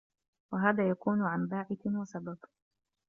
وَهَذَا يَكُونُ عَنْ بَاعِثٍ وَسَبَبٍ